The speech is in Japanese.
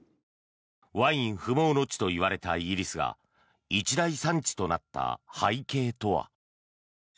ワイン不毛の地といわれたイギリスが一大産地となった背景とは。